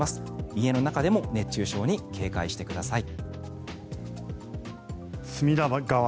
家の中でも熱中症に警戒してください。